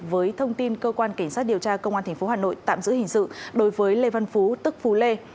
với thông tin cơ quan cảnh sát điều tra công an tp hà nội tạm giữ hình sự đối với lê văn phú tức phú lê